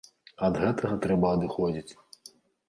Ад гэтага трэба адыходзіць.